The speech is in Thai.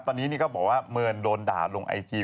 ตอนนี้นี่ก็บอกว่าเมินโดนด่าลงไอจี